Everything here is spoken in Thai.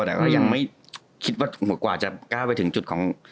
แต่ก็ยังไม่คิดว่ากว่าจะก้าวไปถึงจุดของ